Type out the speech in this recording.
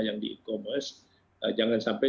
yang di e commerce jangan sampai